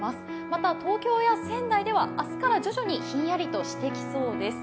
また東京や仙台では明日から徐々にひんやりとしてきそうです。